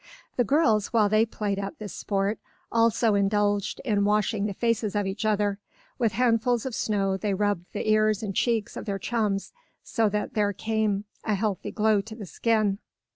The girls, while they played at this sport, also indulged in washing the faces of each other. With handsful of snow they rubbed the ears and cheeks of their chums so that there came a healthy glow to the skin.